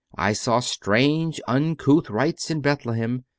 I saw strange, uncouth rites in Bethlehem.